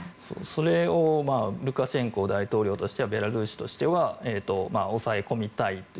それをルカシェンコ大統領としてはベラルーシとしては抑え込みたい。